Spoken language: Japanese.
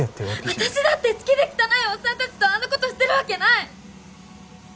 私だって好きで汚いおっさんたちとあんなことしてるわけない！